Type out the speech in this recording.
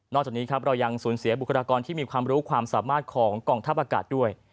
จากนี้ครับเรายังสูญเสียบุคลากรที่มีความรู้ความสามารถของกองทัพอากาศด้วย